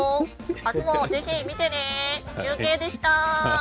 明日もぜひ見てね、中継でした。